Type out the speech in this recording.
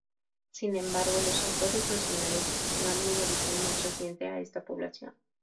Sin embargo, los autores nacionales asignan un origen más reciente a esta población.